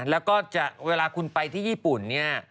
แล้วก็จะเวลาคุณไปที่ญี่ปุ่นเนี่ย